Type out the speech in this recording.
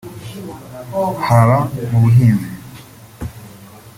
haba mu buhinzi